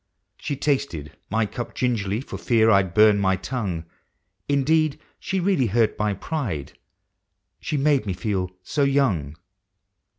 She tasted my cup gingerly, for fear I'd burn my tongue ; Indeed, she really hurt my pride — she made me feel so young.